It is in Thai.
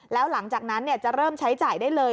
แล้วหลังจากนั้นจะเริ่มใช้จ่ายได้เลย